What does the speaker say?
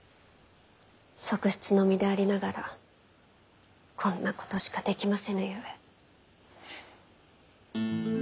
側室の身でありながらこんなことしかできませぬゆえ。